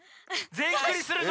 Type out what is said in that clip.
ぜんクリするぞ。